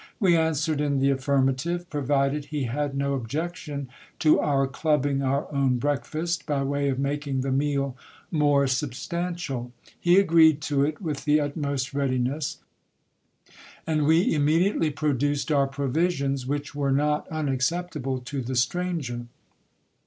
We answered in the affirmative, provided he had no objection to our clubbing our own breakfast, by way of making the meal more substantial. He agreed to it with the utmost readiness, and we immediately produced our provisions ; which were not un acceptable to the stranger.